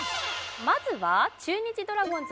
まずは中日ドラゴンズ